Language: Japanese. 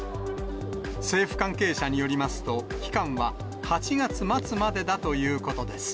政府関係者によりますと、期間は８月末までだということです。